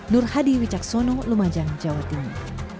nur hadi wicaksono lumajang jawa timur